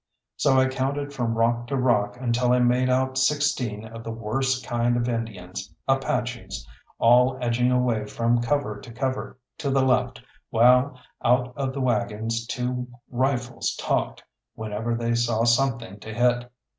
So I counted from rock to rock until I made out sixteen of the worst kind of Indians Apaches all edging away from cover to cover to the left, while out of the waggons two rifles talked whenever they saw something to hit.